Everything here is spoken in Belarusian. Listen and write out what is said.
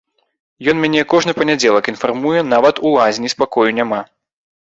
Ён мяне кожны панядзелак інфармуе, нават у лазні спакою няма.